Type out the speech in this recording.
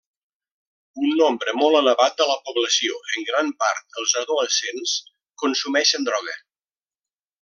Un nombre molt elevat de la població, en gran part els adolescents, consumeixen droga.